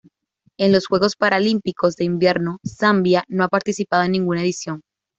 En los Juegos Paralímpicos de Invierno Zambia no ha participado en ninguna edición.